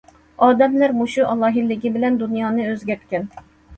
ئادەملەر مۇشۇ ئالاھىدىلىكى بىلەن دۇنيانى ئۆزگەرتكەن.